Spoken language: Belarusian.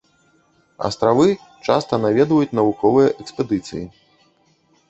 Астравы часта наведваюць навуковыя экспедыцыі.